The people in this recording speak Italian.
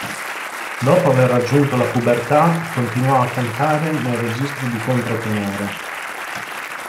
Dopo aver raggiunto la pubertà continuò a cantare nel registro di controtenore.